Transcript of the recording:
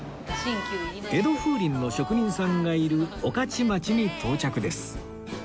江戸風鈴の職人さんがいる御徒町に到着です